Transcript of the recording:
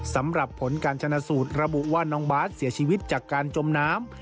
สำหรับผลการชนะสูตรระบุว่าน้องบาทเสียชีวิตจากการจมน้ำ